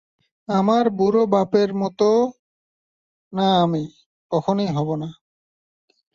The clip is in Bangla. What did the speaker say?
আমার বুড়ো বাপের মতো না আমি, কখনোই হবো না।